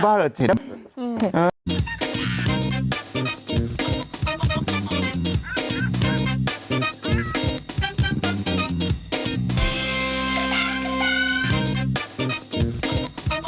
เราเริ่มไปพูดกันนะ